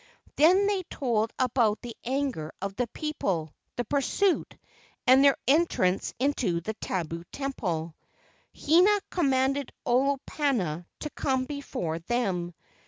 Then they told about the anger of the people, the pursuit, and their entrance into the tabu temple. Hina commanded Olopana to come before them.